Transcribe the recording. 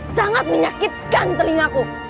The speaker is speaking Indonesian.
sangat menyakitkan telingaku